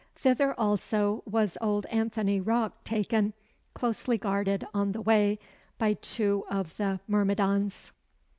Thither, also, was old Anthony Rocke taken, closely guarded on the way by two of the myrmidons.